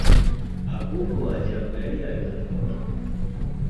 Ahubwo wagira ngo yari yabihanuye!